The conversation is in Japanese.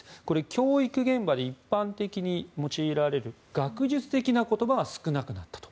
教育現場で一般的に用いられる学術的な言葉が少なくなったと。